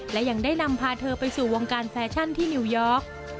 และยังได้นำพาเธอไปสู่วงการแฟชั่นที่นิวยอร์ก